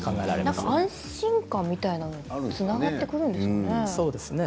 なんか安心感みたいなものにつながってくるんですかね。